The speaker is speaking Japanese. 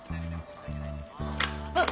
あっ！